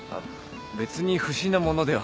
別に不審な者では。